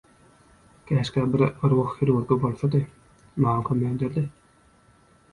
Käşgä bir ruh hirurgy bolsady, maňa kömek ederdi.